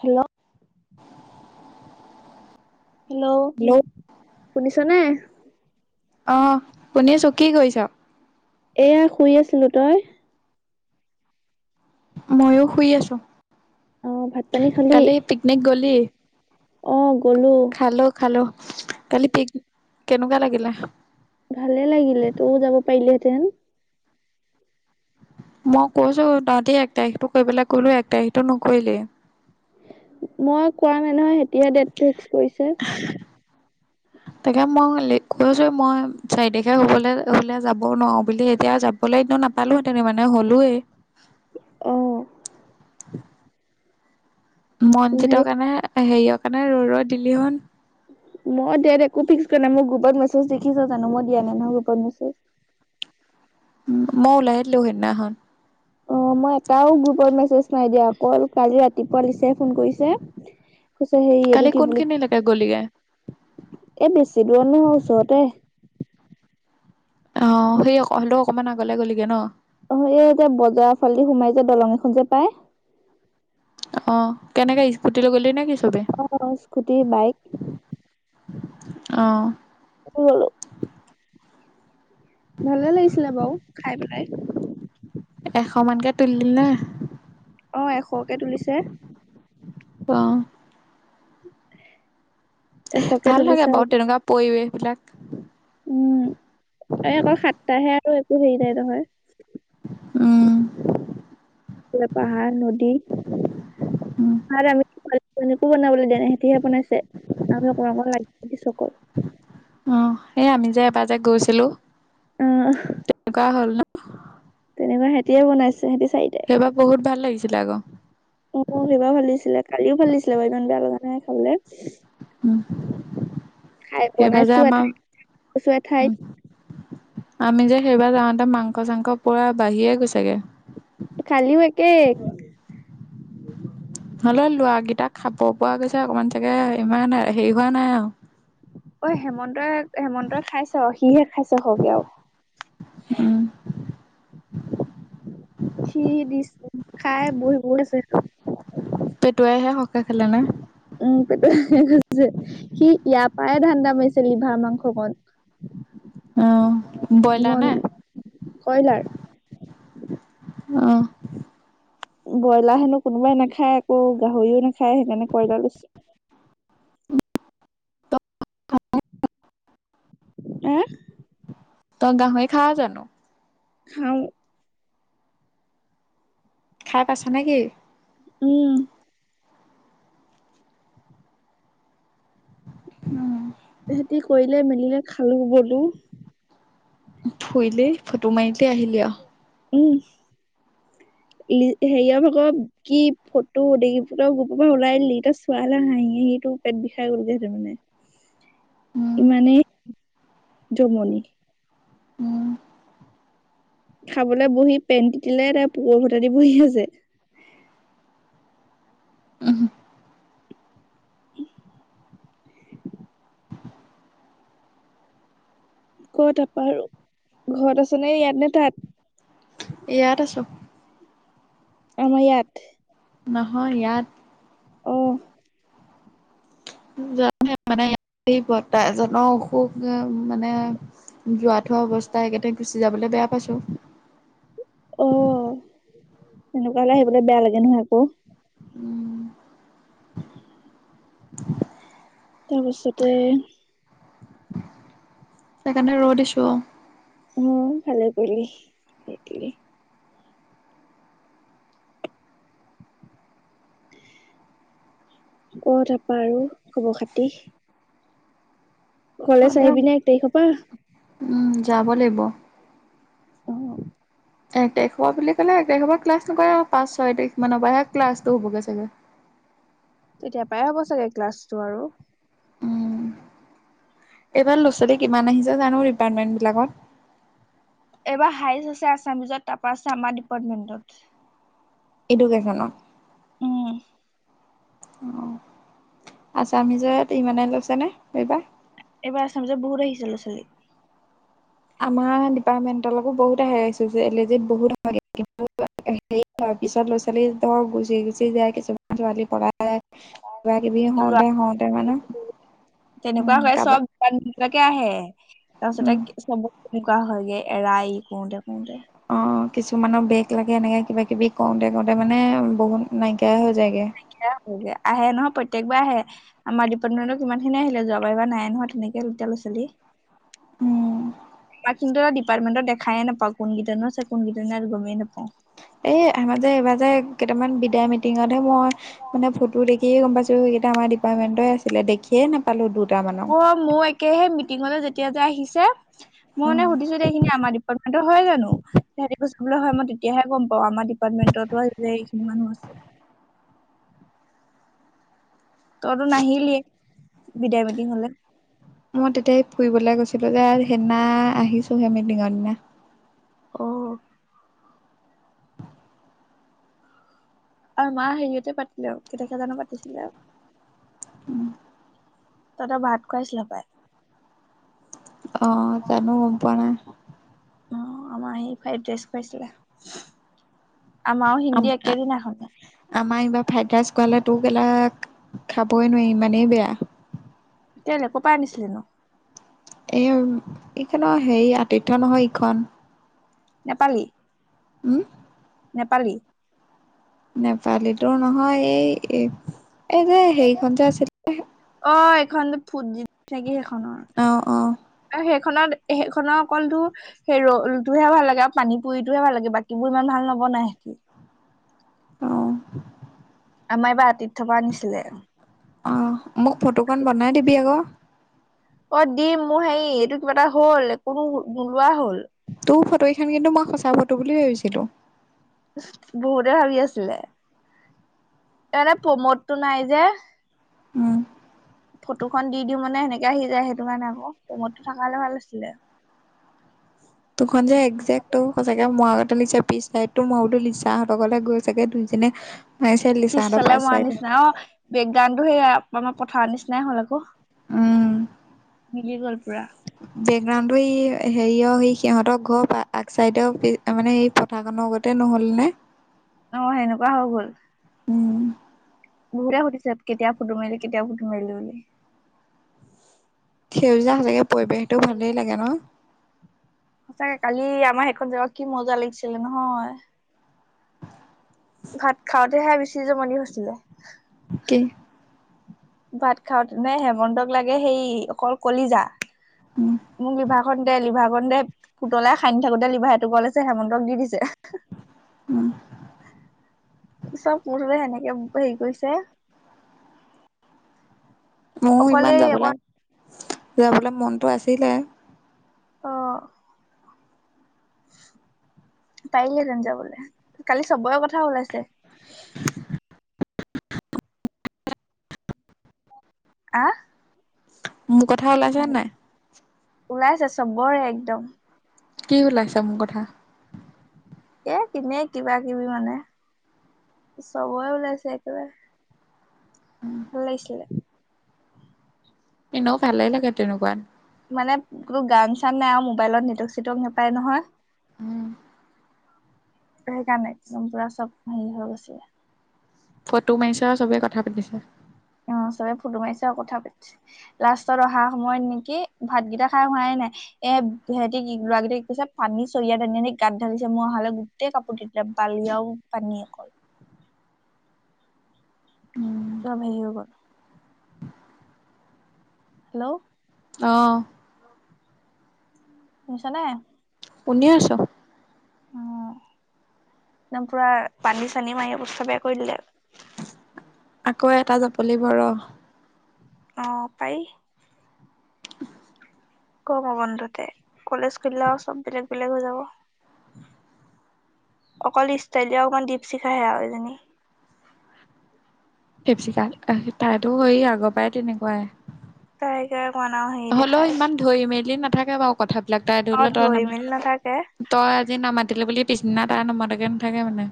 Hello? [inaudible] Hello শুনিছ নে? অহ, শুনি আছোঁ কি কৰিছা? এয়া শুই আছিলো তই? মইও শুই আছো। অ ভাত - পানী খালি? নে গ'লি? অ গ'লো। খালো খালো কালি পিক কেনেকুৱা লাগিলে খা ভালে লাগিলে, তইও যাব পাৰিলেহেতেন! মই কৈছোঁ, তহঁতে এক তাৰিখটো কৰিবলৈ ক'লোঁ এক তাৰিখটো নকৰিলে। মই কোৱা নাই নহয় তেহেটিহে ডেট ফিক্স কৰিছে। তাকে মই লে কৈছোঁ মই চাৰি তাৰিখে হ'বলৈ হ'লে যাব নোৱাৰোঁ বুলি এতিয়া যাব বলৈ টো নাপালোহেতেন মানে হ'লোৱেই।। অঁ। [inaudible] মনজিতৰ হেৰি কাৰণে হেৰিয়ৰ কাৰণে ৰৈ ৰৈ দিলি হৈন মই দিয়াত একো ফিক্স কৰা নাই, মই গ্ৰুপত মেছেজ দেখিছ জানো মই দিয়া নাই নহয় গ্ৰুপত মেছেজ উম মই ওলাই দিলোঁ সেইদিনাখন। অ মই এটাও গ্ৰুপত মেছেজ নাই দিয়া অকাল কালি ৰাতিপুৱা লিজা ফোন কৰিছে কৈছে সেই এইটো কালি কি বুলি কোনখিনিলৈকে গ'লিগে? এ বেছি দূৰ নহয় ওচৰতে অ সেই হলেও অকমান আগলে গ'লগে ন? অ এই এতিয়া বজাৰ ফালদি সোমাই যে দলং এখন যে পাই অ কেনেকে স্কুটি লৈ গ'লি নেকি চবে অ স্কুটি বাইক। অ [unintelligible] ভালে লাগিছিলে বাও খাই পেলাই এশ মানকে তুলিলি না অ এশকে তুলিছে অ এহ এশকে ভাল তুলিছে লাগে আৰু বাৰু তেনেকুৱা পৰিবেশ সেইবিলাক উম এই অকল সাতটাহে আৰু একো হেৰি নাই নহয় উম এইফালে পাহাৰ নদী উম [unintelligible] বনাবলৈ দিয়া নাই সিহতিহে বনাইছে আমি অকন অকন লাগি‌ দিছো অকল অ এই আমি যে এবাৰ যে গৈছিলো অ তেনেকুৱা হ'ল ন যেনেবা সেতিয়ে বনাইছে সেহতি চাৰিটাই এইবাৰ বহুত ভাল লাগিছিলে আক অ সেইবাৰ ভালিছিলে কালিও ভালিছিলে বাৰু ইমান বেয়া লগা নাই খাবলে উম খাই সেইবাৰ যে বনাইছো আমাৰ এঠাইত গৈছো এঠাইত উম আমি যে সেইবাৰ যাওঁতে মাংস চাংস পূৰা বাঢ়িয়ে গৈছেগে। কালিও একেই নহলে ল'ৰাকেইটা খাব পৰা গৈছে অকমান চাগে ইমান হেৰি হোৱা নাই আও ঐ হেমন্তই হেমন্তই খাইছে সিহে খাইছে সৰহকে উম যি দিছ খাই বৈ শুই আছে সেটো পেটুৱাইহে সৰহকে খালে না উম পেটুৱাইহে খাইছে সি ইয়াৰ পৰাই ধান্দা মাৰিছে লিভাৰ মাংসকন অ ব্ৰইলাৰ মন নে কয়লাৰ অ ব্ৰইলাৰ হেনো কোনোবাই নাখায় আকৌ গাহৰিও নাখায় সেইকাৰণে কয়লাৰ লৈছো তই এহ তই গাহৰি খাৱ জানো খাওঁ খাই পাইছ না কি উম উম সেহতি কৰিলে মেলিলে খালো বলো ফুৰিলি ফটো মাৰিলি আহিলি আও উম লি হেৰিয়া ভাগ কি ফটো দেখি তই গ্ৰোপৰ পৰা ওলাই দিলি তই চোৱা হলে হাঁহি হাঁহি তোৰ পেট বিষাই গলগে হেতেন উম ইমানেই জমনি উম খাবলে বহি পেণ তিতিলে তাৰ পুকৰ ফুটা দি বহি আছে অ অহ ক তাপা আৰু ঘৰত আছ নে ইয়াত নে তাত ইয়াত আছো আমাৰ ইয়াত। নহয় ইয়াত। অ'। [unintelligible] এই বৰৰ্তা এজনৰ অসুখ যে মানে যোৱা থোৱা অৱস্থা সেই কাৰণে গুচি যাবলৈ বেয়া পাইছো। অ', এনেকুৱা হ'লে আহিবলৈ বেয়া লাগে নহয় আকৌ। উম। তাৰপাছতে সেইকাৰণে ৰৈ দিছো আৰু। উম, ভালে কৰিলি সেইটোৱে। ক তাৰপা আৰু খবৰ খাতি? কলেজ ভালে হ'ব আহিবি নে এক তাৰিখৰ পৰা? উম, যাব লাগিব। উম। এক তাৰিখা বুলি ক'লে এক তাৰিখ পৰা ক্লাছ নকৰে আৰু পাঁচ ছয় তাৰিখ মানৰ পৰাহে ক্লাছটো হ'বগৈ চাগে। তেতিয়া পাই হ'ব চাগে ক্লাছটো আৰু। উম এইবাৰ ল'ৰা ছোৱালী কিমান আহিছে জানো ডিপাৰ্টমেন্টবিলাকত? এইবাৰ হাইচ আছে আছামিজত তাৰপা আছে আমাৰ ডিপাৰ্টমেন্টত। এডুকেশ্যনৰ? উম। অ', আছামিজৰ ইমানে লৈছেনে এইবাৰ? এইবাৰ আছামিজত বহু আহিছে ল'ৰা ছোৱালী। আমাৰ ডিপাৰ্টমেণ্ট লৈকো বহুত আহে [unintelligible] হেৰি [unintelligible] পিছত ল'ৰা ছোৱালী ধৰ গুচি গুচি যায় কিছুমান ছোৱালী [unintelligible] কিবা কিবি ল'ৰা হওঁতে হওঁতে মানে তেনেকুৱা উম হয় কাৰোবাৰ চব [unintelligible] আহে তাৰ পিছতে উম চবত তেনেকুৱা হয়গে। এৰা এৰি কওঁতে কওঁতে। অ', কিছুমানৰ বেগ লাগে এনেকে কিবা কিবি কওঁতে কওঁতে মানে বহুত নাইকিয়াই হৈ যায়গে। হেয়া হৈ গে আহে নহয় প্ৰত্যেকবাৰে আহে। আমাৰ ডিপাৰটমেন্ত কিমানখিনি আহিলে যোৱাৰ এইবাৰ নাই নহয় তেনেকে এতিয়া ল'ৰা ছোৱলী। [unintelligible] উম কিন্তু ডিপাৰ্টমেন্টৰ দেখাইে নাপ পাওঁ কোন কেইটানো আছে কোন কেইটা নাই আৰু গমেই নাপওঁ। এই আমাৰ এইবাৰ যে কেইটামান বিদায় মিটিঙতহে মই মানে ফটো দেখিয়ে গম পাইছো সেইকেইটা আমাৰ ডিপাৰ্টমেন্টই আছিলে দেখিয়ে নাপালো দুট মানক। মই মোৰ একেহে মিটিঙলৈ যেতিয়া যে আহিছে। মই উম মানে সুধিছো এইখিনি আমাৰ ডিপাৰ্টমেন্টৰ হয় জানো? তাহাঁতে কৈছে বোলে হয় মই তেতিয়াহে গম পাওঁ আমাৰ পাৰ্টমেন্টতো যে এইখিনি মানুহ আছে। তইতো নাহিলিয়ে বিদায় মিতিং হ'লে। মই তেতিয়া এই ফুৰিবলৈ গৈছিলো যে সেইদিনা আহিছোহে মিটিংৰ দিনা। অ আৰু মা হেৰিয়তে পাতিলে কেই তাৰিখে জানো পাতিছিলে আৰু। তহঁতক ভাত খুৱাইছিলে পাই? অ', জানো গম পোৱা নাই। অ', আমাৰ সেই ফ্ৰাই ড্ৰাইচ খুৱাইছিলে, আমাৰ আৰু আম হিন্দী একেদিনাখনেই। আমাৰ এইবাৰ ফ্ৰাইড ৰাইচ খুৱালে তোৰ [unintelligible] খাবই নোৱাৰি ইমানেই বেয়া। কেইলে ক'ৰ পা আনিছিলেনো? এই এইখনৰ হেৰি আতিথ্য নহয় ইখন নেপালী উম নেপালী নেপালীটোৰ নহয় এই এই যে হেৰিখন যে আছিল অ এখন ফুট নাগি সেইখনৰ অ অ আৰু সেইখনত সেইখনৰ কলটো সেই ৰলটোহে ভাল লাগে আৰু পানী পুৰিটোহে ভাল লাগে বাকীবোৰ ইমান ভাল নবনাই সিহঁতি আহ আমাৰ এই বা আতিথ্য পা আনিছিলে অ মোক ফটোখন বনাই দিবি আকৌ অ দিম মোৰ হেৰি এইটো কিবা এটা হ'ল কোনো নোলোৱা হল তোৰ ফটো কেইখন কিন্তু মই সঁচা ফটো বুলি ভাবিছিলো বহুতে ভাবি আছিলে। তানে প্ৰমোদ টো নাই যে। উম। ফটোখন দি দিওঁ মানে সেনেকে আহি যায় সেইটো কাৰণে আকৌ ৰুমতো থাকা হ'লে ভাল আছিলে। দুখন যে একজেক্ট টো সঁচাকে মই লিখা পিছত ময়ো তো লিচা হঁতৰ লৈকে গৈ ছাগে দুইজনেই পিছফালে মৱা নিচিনা অ বেকগ্ৰাউটো সেইয়া [unintelligible] পথাৰৰ নিচিনাই হ'ল আকৌ মিলি গ'ল পুৰা। বেকগ্ৰাউণ্ড টো ই হেৰিয় স সিহঁতৰ ঘৰ আগ চাইডৰ মানে কথা খনৰ গতে নহ'ল নে? অ সেনেকুৱা হৈ গ'ল। উম বহুতে সুধিছে কেতিয়া ফুটো মিয়িলি কেতিয়াও ফুটো মিয়িলি বুলি। সেউজীয়া সচাগে পৰিৱেশটো ভালেই লাগে ন? সঁচাকে কালি আমাৰ সেইখন জেগাত কি মজা লাগিছিলে নহয়। ভাত খাওঁতেহে বেছি জমনি হৈছিলে কি ভাত খাওঁ নে হেমন্তক লাগে সেই অকল কলিজা উম মোক লিভা কণ দে লিভা কণ দে পুতলাই খান্দি থাকোতে লিবাহটে কাইছে হেমন্তক দি দিছে উম। চব পৰে সেনেকে হেৰি কৰিছে। ময়ো ইমান অকলে অকল যাবলৈ যাবলৈ মনটো আছিলে। [inaudible] পাৰিলহেঁতেন যাবলৈ কালি চবৰে কথা ওলাইছে। [inaudible] আ? মোৰ কথা ওলাইছে নে নাই? ওলাইছে চবৰে একদম। কি ওলাইছে মোৰ কথা? এ এনেই কিবা কিবি মানে চবৰে ওলাইছে একেবাৰে। [inaudible] ভাল লাগিছিলে। এনেও ভালে লাগে তেনেকুৱাত। মানে কোনো গান চান নাই আৰু মোবাইলত নেটৱৰ্ক চেটক নাপায় নহয়। উম। সেইকাৰণে একদম পুৰা চব হেৰি হৈ গৈছে। ফটো মাৰিছোঁ আৰু চবে কথা পাতিছো। অ চবে ফটো মাৰিছে আৰু কথা পাতিছে। লাষ্টত অহা সময়ত নেকি ভাতকেইটা কায়ো খোৱাই নাই। এ সিহঁতি [inaudible] ল'ৰাকেইটা কি কৈছে। পানী চৰিয়াত আনি আনিয গাত ঢালিছে মই অহালৈ গোটেই কাপোৰ কিনি বালিয়ও পানী অকল। উম [unintelligible] হেল্ল'। অ। শুনিছা নে। শুনিয়ে আছোঁ। একদম পুৰা পানী চানি মাৰি অবস্থা বেয়া কৰি দিলে। আকৌ এটা জাপলি ভৰ। অঁ পায়। গৰমৰ বন্ধতে কলেজ খুলিলে আও চব বেলেগ বেলেগ হৈ যাব। [inaudible] অকল ষ্টাইলীয়ে অকণমান দীপশিখাই সেয়া এইজনী। দিপচিকা তাইটো সেই আগৰ পৰাই তেনেকুৱাই। [unintelligible] হেৰি হ'লেও দেখাই চে। ইমান ধৰি মেলি নাথাকে বাৰু কথাবিলাক তাই অ ধৰি ল তই ন। মেলি নাথাকে তই আজি নামাতিলে বুলি পিছিদিনা তাৰ নমতাকে নাথাকে মানে।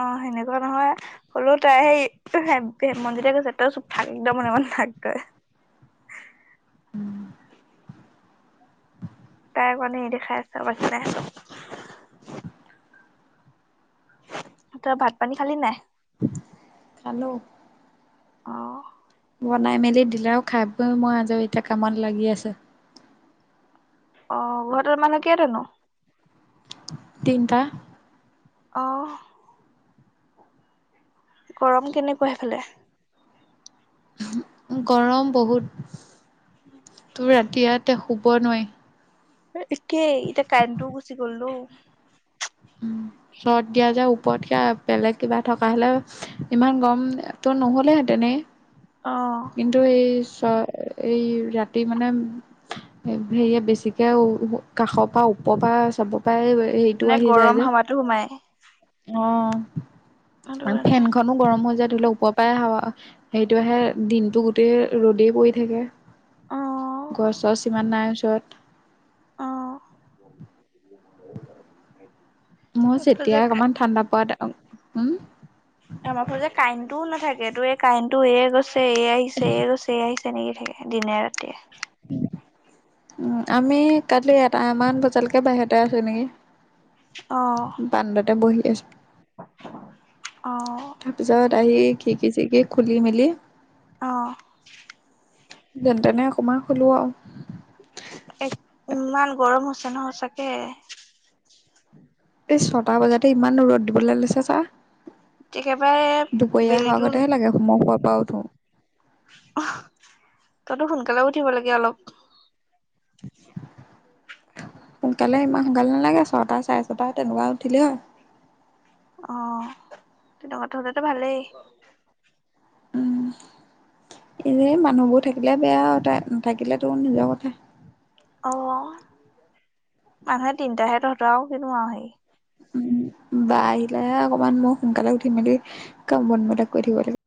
অ সেনেকুৱা নহয় হলেও তাই সেই। [unintelligible] কৈছে তই চুপ থাক একদম মনে মনে থাক তই। উম। [unintelligible] তই ভাত পানী খালি নাই। খালো। অহ। বনাই মেলি দিলে আৰু খাই বৈ মই আজৰি এতিয়া কামত লাগি আচো। অ ঘৰত মানুহ কেইটা নো। তিনিটা। অহ। গৰম কেনেকুৱা সেইফালে। গৰম বহুত তো ৰাতি ইয়াতে শুব নোৱাৰি। এ একেই এতিয়া কাৰেণ্টোও গুচি গল ও। উম। চট দিয়া যে ওপৰত সেয়া বেলেগ কিবা থকা হ'লে ইমান গৰমটো নহ'লেহেঁতেনেই। অঁ। কিন্তু এই চ এই ৰাতি মানে। হেৰিয়ে বেছিকে কাষৰ পৰা ওপৰ পৰা চব পায়। মানে গৰম হাৱাতো সোমাই। অ সেইটো [inaudible] কাৰণে ফেনখনো গৰম হৈ যায় ধৰি ল ওপ। পায় হাৱা সেইটো আহে দিনটো গোটেই ৰ'দেই পৰি থাকে। অ গছ চছ ইমান নাই ওচৰত অ মই এইফালে যে যেতিয়াই অকণমান ঠাণ্ডা পা আমাৰ ফালে কাৰেণ্টটোও নাথাকে তোৰ এই কাৰেণ্টটো এ গৈছে এ আহিছে এ গৈছে এ আহিছে তেনেকেই থাকে দিনে ৰাতিয়ে উ আমি কালি এটামান বজালৈকে বাহিৰতে আছো নেকি অ বাৰান্দাতে বহি আছো অ তাৰপিছত আহি খিৰিকী চিৰিকী খুলি মেলি অঁ যেন তেনে অকণমান শুলো আও এ ইমান গৰম হৈছে ন সঁচাকে এই ছটা বজাতে ইমান ৰ'দ দিবলে লৈছে চা একেবাৰে দুপৰীয়া হোৱাৰ বেলিটো গতেহে লাগে মই শুৱা পা উঠো তইতো সোনকালে উঠিব লাগে অলপ সোনকালে ইমান সোনকালে নালাগে ছটা চাৰে ছটা তেনেকুৱা উঠিলেই হয় অ তহঁতৰ ঘৰত থলে টো ভালেই উম এই যে মানুহবোৰ থাকিলে বেয়া আৰু তই নাথাকিলে তো নিজৰ কথা অ মানুহ তিনিটাহে তহঁতৰ আৰু কিনো আৰু হেৰি উম বা আহিলেহে অকনমান মই সোনকালে উঠি মেলি কাম বনবিলাক কৰি থাকিব লা